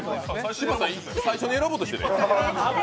柴田さん、最初に選ぼうとしてた。